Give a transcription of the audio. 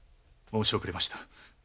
申し遅れました。